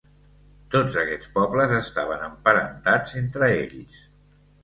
Tots aquests pobles estaven emparentats entre ells.